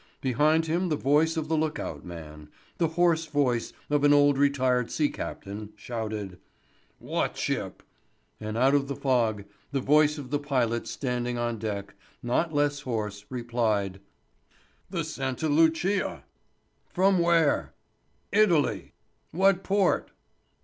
Behind him the voice of the look out man, the hoarse voice of an old retired sea captain, shouted: "What ship?" And out of the fog the voice of the pilot standing on deck—not less hoarse—replied: "The Santa Lucia." "Where from?" "Italy." "What port?"